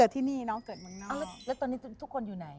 ทุกคนอยู่ไหน